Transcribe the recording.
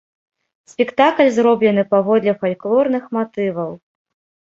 Спектакль зроблены паводле фальклорных матываў.